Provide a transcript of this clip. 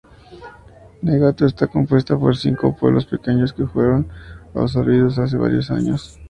Nagato está compuesta por cinco pueblos pequeños que fueron absorbidos hace varios años.